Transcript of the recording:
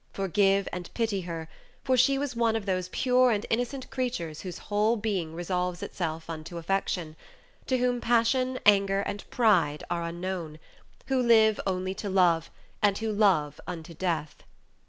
Forgive and pity her, for she was one of those pure and innocent creatures whose whole being resolves itself into affection; to whom passion, anger, and pride are unknown; who live only to love, and who love until death.